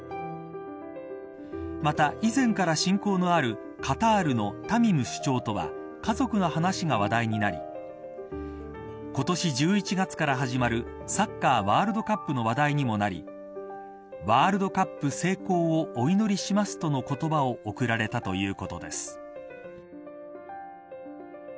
また以前から親交のあるカタールのタミム首長とは家族の話が話題になり今年１１月から始まるサッカーワールドカップの話題にもなりワールドカップ成功をお祈りしますとの言葉を贈られたということです。